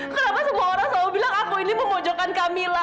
kenapa semua orang selalu bilang aku ini memojokkan kamila